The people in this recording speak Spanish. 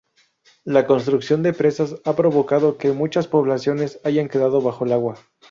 La construcción de presas ha provocado que muchas poblaciones hayan quedado bajo el agua.